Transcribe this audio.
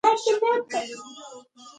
آیا ټولنیز جوړښتونه پیاوړي دي؟